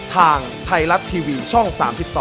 ทางไทยรัฐทีวีช่อง๓๒